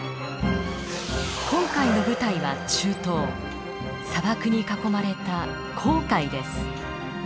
今回の舞台は中東砂漠に囲まれた紅海です。